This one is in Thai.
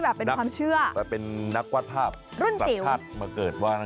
เนอะเป็นเนอะเป็นนักวาดภาพรุ่นจิ๋ว